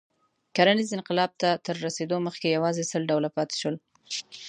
کرنیز انقلاب ته تر رسېدو مخکې یواځې سل ډوله پاتې شول.